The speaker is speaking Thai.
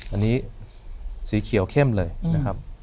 อันนี้สีเขียวเข้มเลยนะครับ